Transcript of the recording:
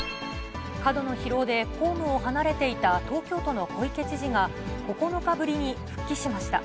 過度の疲労で公務を離れていた東京都の小池知事が９日ぶりに復帰しました。